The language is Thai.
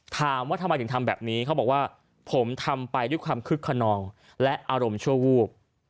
ถามว่าทำไมถึงทำแบบนี้เขาบอกว่าผมทำไปด้วยความคึกขนองและอารมณ์ชั่ววูบ